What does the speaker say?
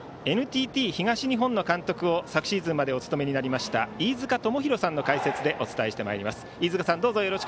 ＮＴＴ東日本監督を昨シーズンまでお務めになりました飯塚智広さんの解説でお伝えしてまいります。